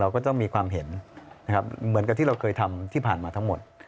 ก็ต้องมีความเห็นนะครับเหมือนกับที่เราเคยทำที่ผ่านมาทั้งหมด